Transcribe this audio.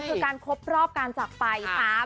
คือการครบรอบการจากไป